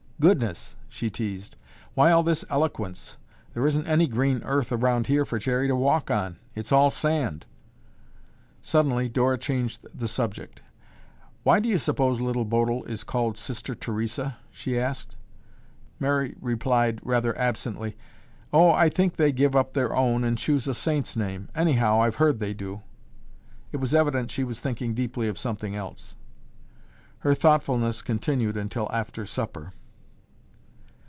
"Goodness!" she teased. "Why all this eloquence? There isn't any green earth around here for Jerry to walk on. It's all sand." Suddenly Dora changed the subject. "Why do you suppose Little Bodil is called Sister Theresa?" she asked. Mary replied rather absently, "Oh, I think they give up their own and choose a saint's name. Anyhow, I've heard they do." It was evident she was thinking deeply of something else. Her thoughtfulness continued until after supper.